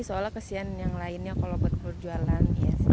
soalnya kesian yang lainnya kalau buat perjualan